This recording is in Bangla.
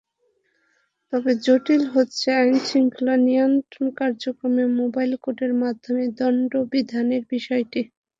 তবে জটিল হচ্ছে আইনশৃঙ্খলা নিয়ন্ত্রণ কার্যক্রমে মোবাইল কোর্টের মাধ্যমে দণ্ড বিধানের বিষয়টি।